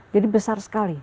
jadi besar sekali